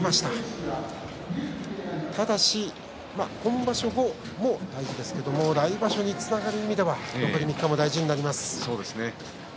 ただし、今場所も大事ですが来場所につながる意味では残り３日、大事になります。